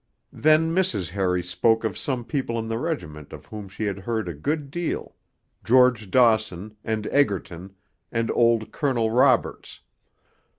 Then Mrs. Harry spoke of some people in the regiment of whom she had heard a good deal George Dawson, and Egerton, and old Colonel Roberts.